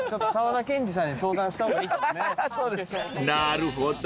［なるほど。